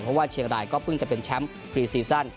เพราะว่าเชียงรายก็เพิ่งจะเป็นแชมป์พรีซีซั่น